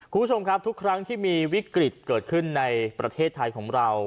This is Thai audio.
คุณผู้ชมครับทุกครั้งที่มีวิกฤตเกิดขึ้นในประเทศไทยของเรา